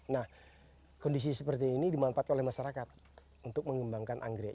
nah kondisi seperti ini dimanfaatkan oleh masyarakat untuk mengembangkan anggrek